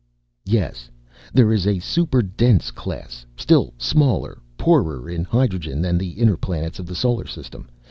"Yes. There is a super dense class, still smaller, poorer in hydrogen, than the inner planets of the solar system.